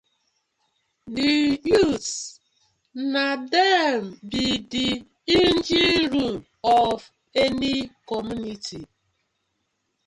Di youths na dem bi di engine room of any community.